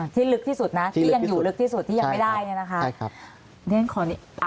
ลึกที่สุดนะที่ยังอยู่ลึกที่สุดที่ยังไม่ได้เนี่ยนะคะ